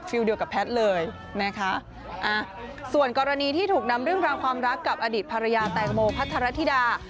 เดียวกับแพทย์เลยนะคะส่วนกรณีที่ถูกนำเรื่องราวความรักกับอดีตภรรยาแตงโมพัทรธิดา